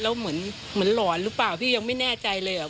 แล้วเหมือนหลอนหรือเปล่าพี่ยังไม่แน่ใจเลยอ่ะ